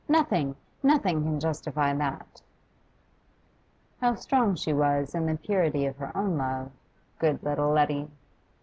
Nothing, nothing can justify that.' How strong she was in the purity of her own love, good little Letty!